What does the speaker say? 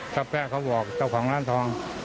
ถ้าแป๊ะเขาบอกเจ้าของร้านทอง